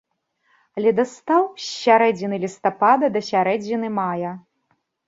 Ледастаў з сярэдзіны лістапада да сярэдзіны мая.